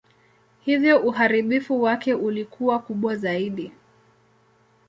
Hivyo uharibifu wake ulikuwa kubwa zaidi.